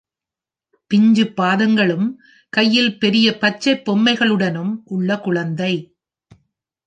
பிஞ்சு பாதங்களும் கையில் பெரிய பச்சை பொம்மையுடனும் உள்ள குழந்தை